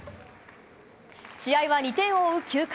試合は２点を追う９回。